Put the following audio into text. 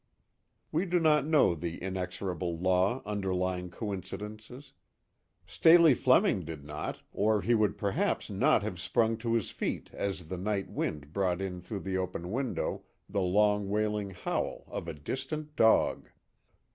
We do not know the inexorable law underlying coincidences. Staley Fleming did not, or he would perhaps not have sprung to his feet as the night wind brought in through the open window the long wailing howl of a distant dog.